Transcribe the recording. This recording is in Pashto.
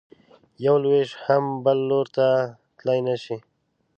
یو لویشت هم بل لوري ته تلی نه شې.